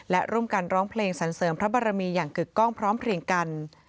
และร่วมกันร้องเพลงสันเสริมพระบรมีอย่างกึกกล้องพร้อมเพลียงกัน